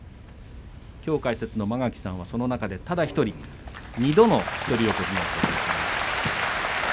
きょう解説の間垣さんはその中でただ１人２度の一人横綱を務めました。